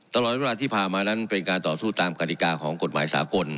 ตลอดเวลาที่ผ่านมานั้นเป็นการต่อสู้ตามกฎิกาของกฎหมายสากล